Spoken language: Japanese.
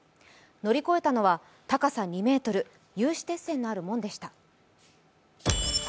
乗り越えたのは高さ２ｍ、有刺鉄線のある門でした。